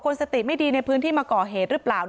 สติไม่ดีในพื้นที่มาก่อเหตุหรือเปล่า